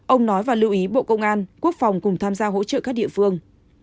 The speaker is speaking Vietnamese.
ông nói và lưu ý bộ công an quốc phòng cùng tham gia hỗ trợ các địa phương